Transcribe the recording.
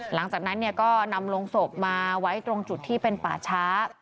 หลังจากนั้นก็นำลงศพมาไว้ตรงจุดที่เป็นป่าช้า